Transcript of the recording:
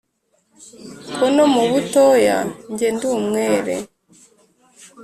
Ko no mu butoya njye ndi umwere